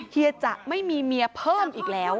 เฮียจะไม่มีเมียเพิ่มอีกแล้ว